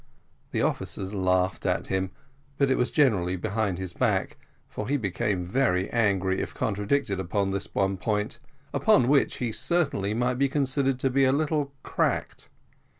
The officers laughed at him, but it was generally behind his back, for he became very angry if contradicted upon this one point, upon which he certainly might be considered to be a little cracked.